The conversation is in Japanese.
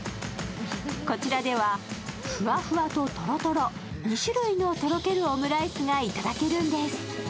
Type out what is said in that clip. こちらではふわふわととろとろ、２種類のとろけるオムライスがいただけるんです。